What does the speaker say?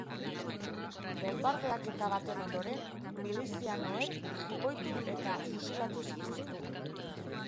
Bonbardaketa baten ondoren, milizianoek jipoitu eta fusilatu zituzten.